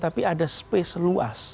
tapi ada space luas